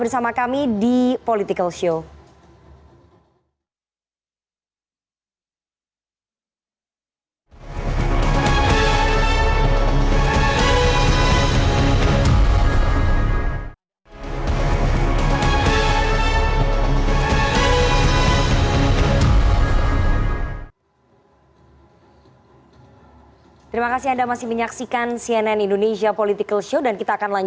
bersama kami di politico show